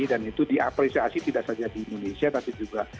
dan itu diapresiasi tidak saja di indonesia tapi juga di indonesia juga